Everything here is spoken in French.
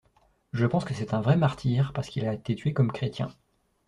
Je pense que c’est un vrai martyr parce qu’il a été tué comme chrétien.